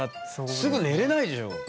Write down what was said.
すぐ寝れないでしょう。